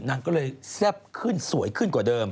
นางก็เลยแซ่บขึ้นสวยขึ้นกว่าเดิม